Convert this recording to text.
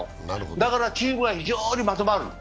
だからチームは非常にまとまる。